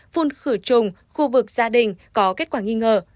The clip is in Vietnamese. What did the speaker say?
phun khử trùng khu vực gia đình có kết quả nghi ngờ